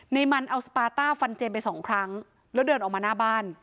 ในมันเอาสปาต้าฟันเจมส์ไปสองครั้งแล้วเดินออกมาหน้าบ้าน